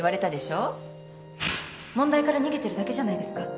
問題から逃げてるだけじゃないですか？